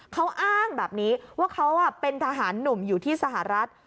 เขาอ้างแบบนี้ว่าเขาเป็นทหารหนุ่มอยู่ที่สหรัฐ